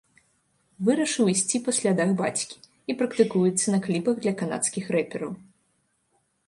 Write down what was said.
Вырашыў ісці па слядах бацькі і практыкуецца на кліпах для канадскіх рэпераў.